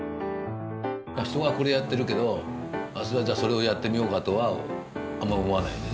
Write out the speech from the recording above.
人がこれやってるけどじゃあそれをやってみようかとはあんま思わないです。